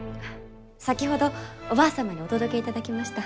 先ほどおばあ様にお届けいただきました。